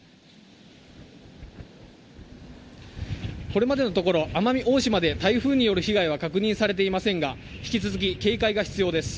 これまでのところ奄美大島で台風による被害は確認されていませんが引き続き警戒が必要です。